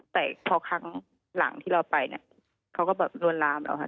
แต่พอครั้งหลังที่เราไปเนี่ยเขาก็แบบลวนลามเราค่ะ